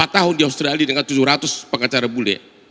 lima tahun di australia dengan tujuh ratus pengacara bule